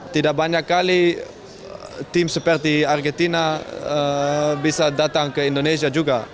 tidak banyak kali tim seperti argentina bisa datang ke indonesia juga